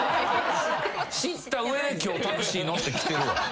知った上で今日タクシー乗ってきてるわ。